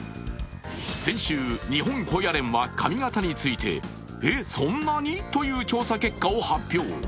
先週、日本高野連は髪形について、えっそんなに？という調査結果を発表。